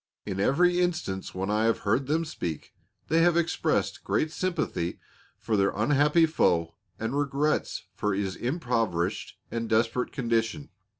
In every instance when I have heard them speak they have expressed great sympathy for their unhappy foe and regrets for his impoverished and desperate condition.